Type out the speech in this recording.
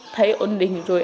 thấy ổn định rồi